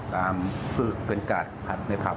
ตามคุยเป็นการผัดในภาร์ภณ์